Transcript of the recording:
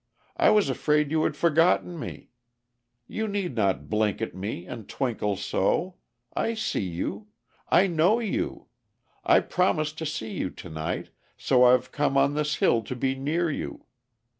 I was afraid you had forgotten me. You need not blink at me and twinkle so. I see you! I know you! I promised to see you to night, so I've come on this hill to be near you.